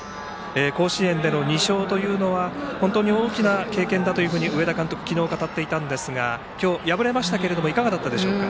甲子園での２勝というのは本当に大きな経験だと上田監督、昨日語っていましたが今日敗れましたがいかがだったでしょうか。